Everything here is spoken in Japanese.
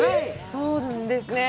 そうなんですね。